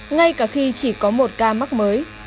ngay cả khi chỉ có một ca mắc mới